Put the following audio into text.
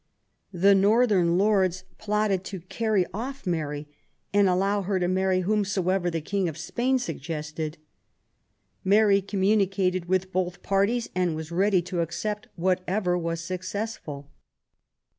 The northern Lords plotted to carry off Mary and allow her to marry whomsoever the King of Spain suggested. Mary communicated with both parties, and was ready to accept whatever was successful.